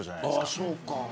あそうか。